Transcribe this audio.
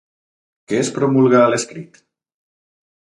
Què es promulga a l'escrit?